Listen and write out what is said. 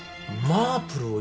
マープルは。